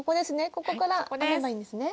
ここから編めばいいんですね。